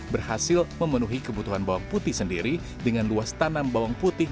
berhasil memenuhi kebutuhan bawang putih sendiri dengan luas tanam bawang putih